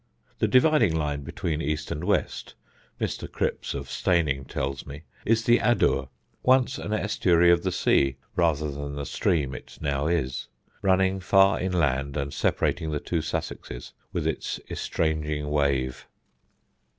The dividing line between east and west, Mr. Cripps of Steyning tells me, is the Adur, once an estuary of the sea rather than the stream it now is, running far inland and separating the two Sussexes with its estranging wave.